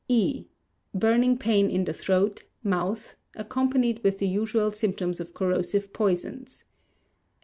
E. Burning pain in the throat, mouth, accompanied with the usual symptoms of corrosive poisons.